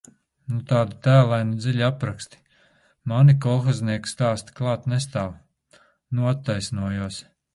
Nu tādi tēlaini dziļi apraksti... Mani kolhoznieka stāsti klāt nestāv. Nu attaisnojos!